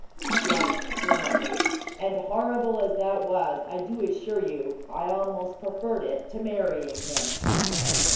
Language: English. "Yes, Sir Norman; and horrible as that was I do assure you I almost preferred it to marrying him."